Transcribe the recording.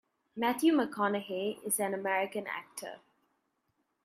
Matthew McConaughey is an American actor.